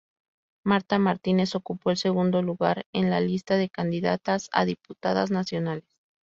Marta Martínez ocupó el segundo lugar en la lista de candidatas a Diputadas Nacionales.